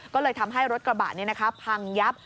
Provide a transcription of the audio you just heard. ก็เลยทำให้รถกระบะนี้พังยับ